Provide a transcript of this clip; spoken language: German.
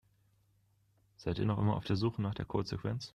Seid ihr noch immer auf der Suche nach der Codesequenz?